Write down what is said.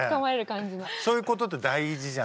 そういうことって大事じゃない？